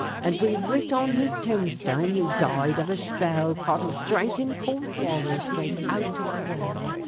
And we writ on his tombsthone, "He died av a shpell Caught av dhrinkin' cowld watther shtraight out av a well."